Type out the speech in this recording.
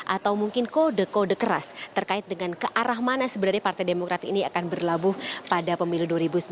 atau mungkin kode kode keras terkait dengan kearah mana sebenarnya partai demokrat ini akan berlabuh pada pemilu dua ribu sembilan belas